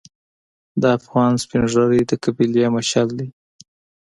د افغان سپین ږیری د قبیلې مشعل دی.